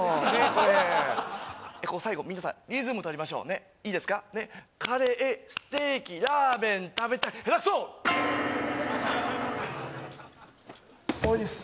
これ最後皆さんリズムとりましょうねいいですかねっカレーステーキラーメン食べたいラスト終わりです